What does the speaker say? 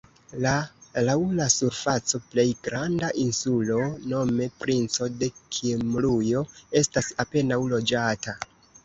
La laŭ la surfaco plej granda insulo nome Princo de Kimrujo estas apenaŭ loĝata.